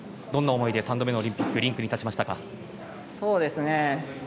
どんな思いで３度目のオリンピックリンクに立ちましたか？